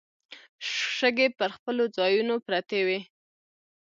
شګې پر خپلو ځايونو پرتې وې.